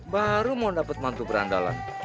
baru mau dapat mantu berandalan